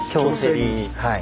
はい。